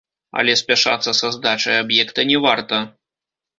Але спяшацца са здачай аб'екта не варта.